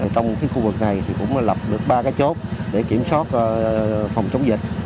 trong khu vực này cũng lập được ba chốt để kiểm soát phòng chống dịch